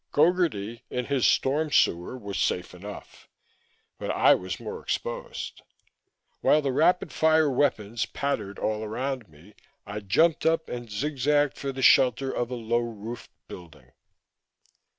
Gogarty, in his storm sewer, was safe enough, but I was more exposed. While the rapid fire weapons pattered all around me, I jumped up and zigzagged for the shelter of a low roofed building.